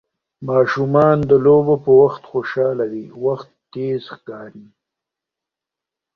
ماشومان د لوبو په وخت خوشحاله وي، وخت تېز ښکاري.